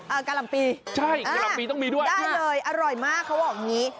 กะหล่ำปีใช่กะหล่ำปีต้องมีด้วยได้เลยอร่อยมากเขาบอกอย่างงี้